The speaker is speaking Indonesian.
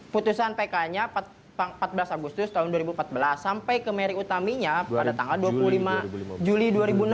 putusan pk nya empat belas agustus tahun dua ribu empat belas sampai ke mary utaminya pada tanggal dua puluh lima juli dua ribu enam belas